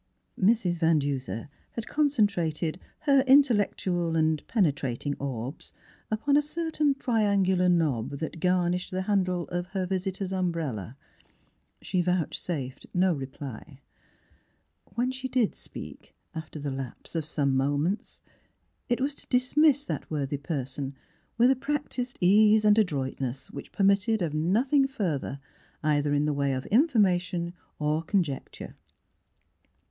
Mrs. Van Denser had con centrated her intellectual and penetrating orbs upon a cer tain triangular knob that gar nished the handle of her 53 The Trmisfiguration of visitor's umbrella; she vouch safed no reply. When she did speak, after the lapse of some moments, it was to dismiss that worthy person with a practiced ease and adroitness which permitted of nothing further, either in the way of information or conjec ture.